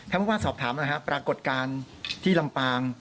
ถ้าพูดว่าสอบถามปรากฏการณ์ที่ลำปาง